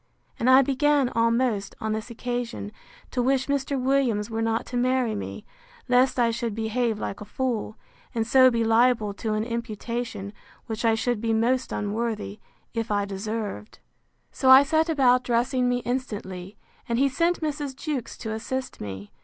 —And I began almost, on this occasion, to wish Mr. Williams were not to marry me, lest I should behave like a fool; and so be liable to an imputation, which I should be most unworthy, if I deserved. So I set about dressing me instantly; and he sent Mrs. Jewkes to assist me.